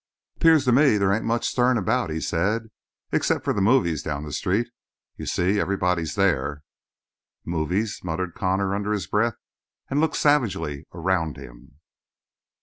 "Appears to me there ain't much stirrin' about," he said. "Except for the movies down the street. You see, everybody's there." "Movies," muttered Connor under his breath, and looked savagely around him.